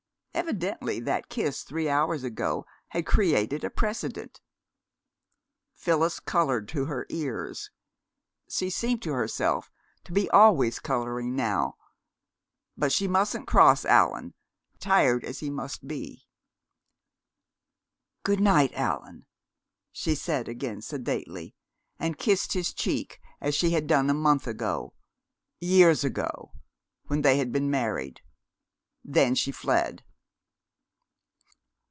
Evidently that kiss three hours ago had created a precedent. Phyllis colored to her ears. She seemed to herself to be always coloring now. But she mustn't cross Allan, tired as he must be! "Good night, Allan," she said again sedately, and kissed his cheek as she had done a month ago years ago! when they had been married. Then she fled.